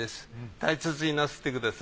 大切になすってください。